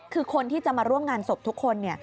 คือคนที่จะมาร่วมงานศพทุกคน